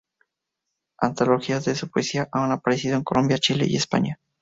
Antologías de su poesía han aparecido en Colombia, Chile y España.